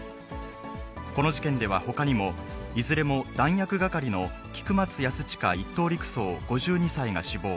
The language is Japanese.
この事件ではほかにも、いずれも弾薬係の菊松安親１等陸曹５２歳が死亡。